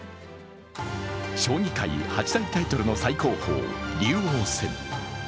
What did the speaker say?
将棋界八大タイトルの最高峰、竜王戦。